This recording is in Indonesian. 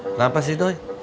kenapa sih doi